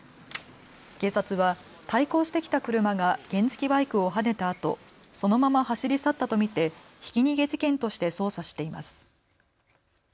警察は対向してきた車が原付きバイクをはねたあと、そのまま走り去ったと見てひき逃げ事件として捜査しています。